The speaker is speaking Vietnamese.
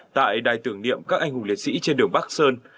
tại đài tưởng niệm các anh hùng liệt sĩ trên đường bắc sơn